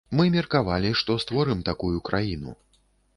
Мы меркавалі, што створым такую краіну.